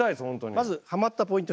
まずハマったポイント